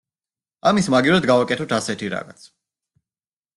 ამის მაგივრად გავაკეთოთ ასეთი რაღაც.